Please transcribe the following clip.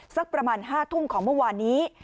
สักประมาณ๕ทุ่มของเมื่อวานนี้